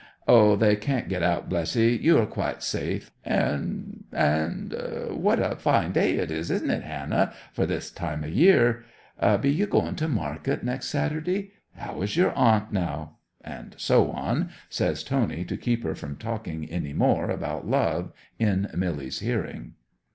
Oh, they can't get out, bless ye—you are quite safe! And—and—what a fine day it is, isn't it, Hannah, for this time of year? Be you going to market next Saturday? How is your aunt now?" And so on, says Tony, to keep her from talking any more about love in Milly's hearing.